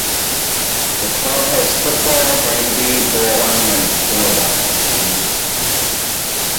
The club has football, bandy, bowling and floorball sections.